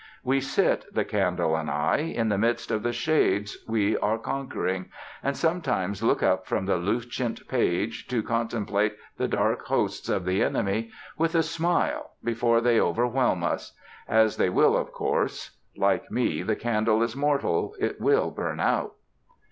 We sit, the candle and I, in the midst of the shades we are conquering, and sometimes look up from the lucent page to contemplate the dark hosts of the enemy with a smile before they overwhelm us; as they will, of course. Like me, the candle is mortal; it will burn out.